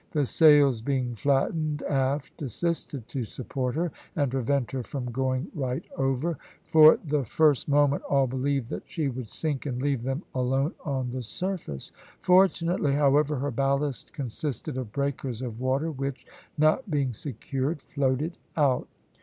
The sails being flattened aft assisted to support her, and prevent her from going right over. For the first moment all believed that she would sink and leave them alone on the surface. Fortunately, however, her ballast consisted of breakers of water which, not being secured, floated out.